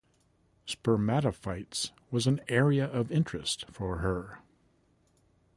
Spermatophytes was an area of interest for her.